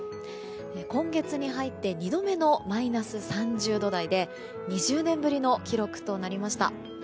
今月に入って２度目のマイナス３０度台で２０年ぶりの記録となりました。